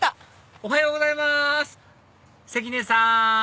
おはようございます関根さん？